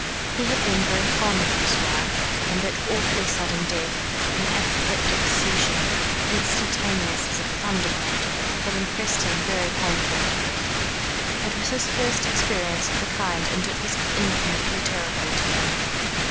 He had been very fond of the Squire, and that awfully sudden death, an apopleptic seizure, instantaneous as a thunderbolt, had impressed him very painfully. It was his first experience of the kind, and it was infinitely terrible to him.